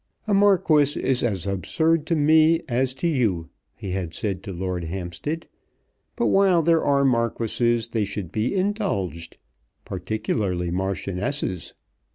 "A Marquis is as absurd to me as to you," he had said to Lord Hampstead, "but while there are Marquises they should be indulged, particularly Marchionesses.